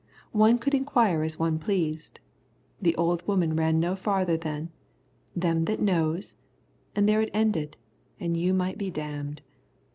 One could inquire as one pleased. The old woman ran no farther than "Them as knows." And there it ended and you might be damned.